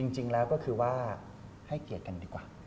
จริงแล้วก็คือว่าให้เกียรติกันดีกว่า